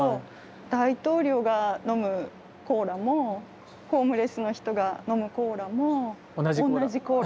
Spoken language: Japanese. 「大統領が飲むコーラもホームレスの人が飲むコーラも同じコーラ。